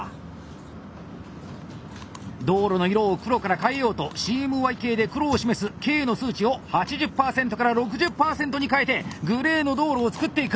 道路の色を黒から変えようとＣＭＹＫで黒を示すＫの数値を８０％から６０％に変えてグレーの道路を作っていく！